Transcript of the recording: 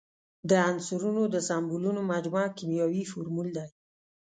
د عنصرونو د سمبولونو مجموعه کیمیاوي فورمول دی.